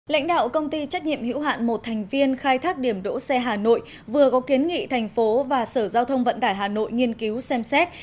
lãnh đạo công ty trách nhiệm hữu hạn một thành viên khai thác điểm đỗ xe hà nội vừa có kiến nghị thành phố và sở giao thông vận tải hà nội nghiên cứu xem xét